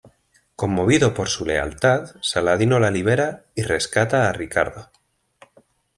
Conmovido por su lealtad, Saladino la libera y rescata a Ricardo.